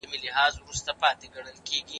هغه سياستوال چي قدرت کاروي د واکمن په نوم يادېږي.